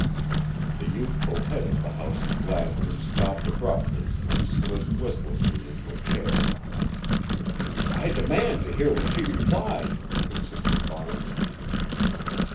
The youthful head of the house of Gladwin stopped abruptly and slid listlessly into a chair. "I demand to hear what she replied," insisted Barnes.